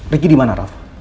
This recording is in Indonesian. riki dimana raff